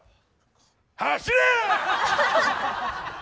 走れ！